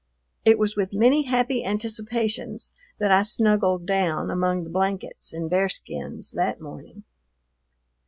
It was with many happy anticipations that I snuggled down among the blankets and bearskins that morning.